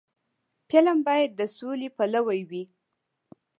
فلم باید د سولې پلوي وي